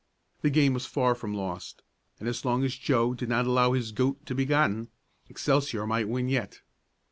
The game was far from lost, and as long as Joe did not allow his "goat" to be gotten, Excelsior might win yet.